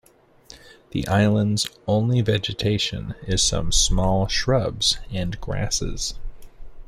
The island's only vegetation is some small shrubs and grasses.